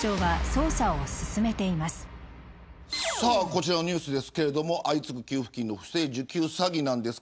こちらのニュースですが相次ぐ給付金の不正受給詐欺です。